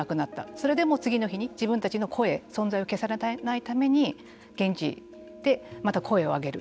それでも次の日に自分たちの声存在を消されないために現地でまた声を上げる。